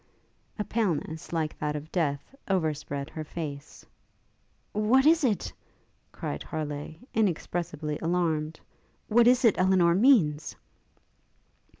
A paleness like that of death overspread her face. 'What is it,' cried Harleigh, inexpressibly alarmed, 'what is it Elinor means?'